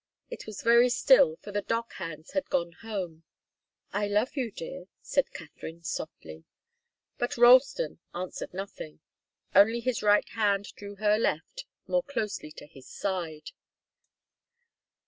It was very still, for the dock hands had gone home. "I love you, dear," said Katharine, softly. But Ralston answered nothing. Only his right hand drew her left more closely to his side.